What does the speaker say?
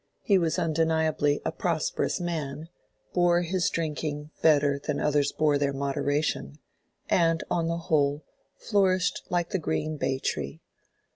He was undeniably a prosperous man, bore his drinking better than others bore their moderation, and, on the whole, flourished like the green bay tree.